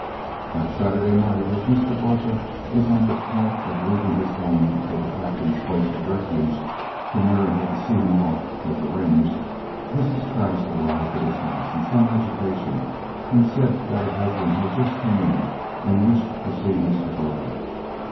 That Saturday night, as Mr. Botha was on the point of leaving his home for the Captain's place of refuge, from where he had to "see him off," as arranged, Mrs. Krause arrived at his house in some agitation and said that her husband had just come in and wished to see Mr. Botha.